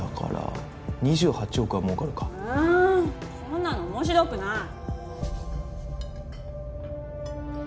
そんなの面白くない！